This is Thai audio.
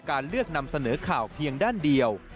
การเลือกนำเสนอข่าวเพียงด้านเดียว